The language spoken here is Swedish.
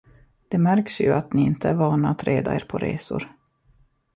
Det märks ju, att ni inte är vana att reda er på resor.